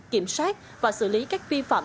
kiểm soát và xử lý các vi phạm